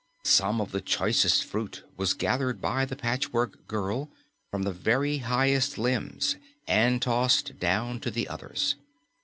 Some of the choicest fruit was gathered by the Patchwork Girl from the very highest limbs and tossed down to the others.